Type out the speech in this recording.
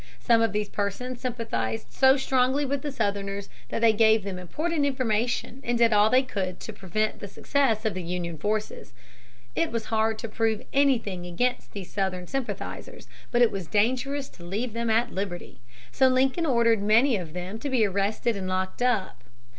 Some of these persons sympathized so strongly with the Southerners that they gave them important information and did all they could to prevent the success of the Union forces. It was hard to prove anything against these Southern sympathizers, but it was dangerous to leave them at liberty. So Lincoln ordered many of them to be arrested and locked up.